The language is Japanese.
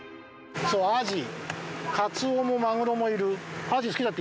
アジカツオもマグロもいる。